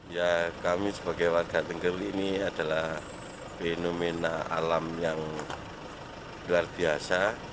ya kami sebagai warga tenggeru ini adalah fenomena alam yang luar biasa